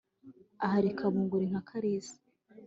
Ahirika bunguri nka Kalisa